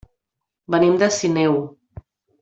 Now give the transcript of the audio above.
Venim de Sineu.